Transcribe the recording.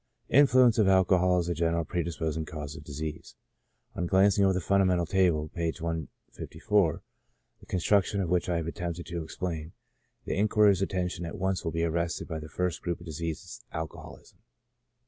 Influence of Alcohol as a general Predisposing Cause of Disease. On glancing over the fundamental table (see p. 154) the construction of which I have attempted to explain, the inquirer's attention vi^ill at once be arrested by the first group of diseases, Alcoholism.